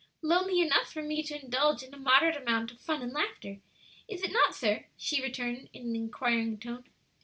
"Lonely enough for me to indulge in a moderate amount of fun and laughter, is it not, sir?" she returned, in an inquiring tone.